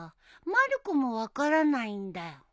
まる子も分からないんだよ。